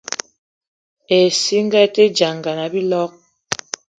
Ìsínga í te dínzan á bíloig